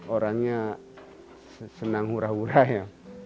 orangnya senang hura hura ya